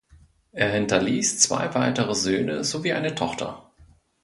Er hinterließ zwei weitere Söhne sowie eine Tochter.